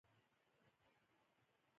د اوبو دا چینلونه په دوه ډوله وو.